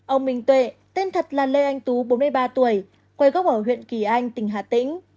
ông minh tuệ tên thật là lê anh tú bốn mươi ba tuổi quê gốc ở huyện kỳ anh tỉnh hà tĩnh